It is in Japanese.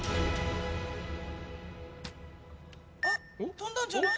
あっ飛んだんじゃない？